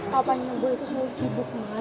papahnya boy tuh selalu sibuk